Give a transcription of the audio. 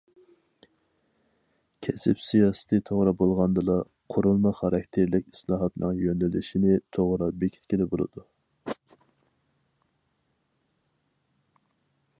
كەسىپ سىياسىتى توغرا بولغاندىلا، قۇرۇلما خاراكتېرلىك ئىسلاھاتنىڭ يۆنىلىشىنى توغرا بېكىتكىلى بولىدۇ.